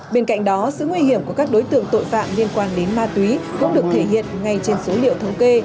bên cạnh đó sự nguy hiểm của các đối tượng tội phạm liên quan đến ma túy cũng được thể hiện ngay trên số liệu thống kê